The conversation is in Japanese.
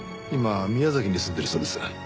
今宮崎に住んでいるそうです。